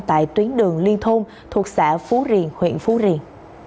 tại tuyến đường liên thôn thuộc xã phú riền huyện phú riền